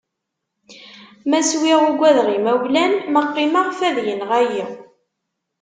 Ma swiɣ ugadeɣ imawlan, ma qqimeɣ fad yenɣa-yi.